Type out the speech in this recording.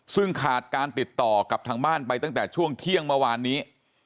ซึ่งขาดการติดต่อกับทางบ้านไปตั้งแต่ช่วงเที่ยงเมื่อวานนี้